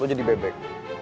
lo jadi bebek